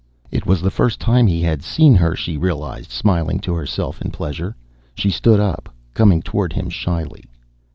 It was the first time he had seen her, she realized, smiling to herself in pleasure. She stood up, coming toward him shyly.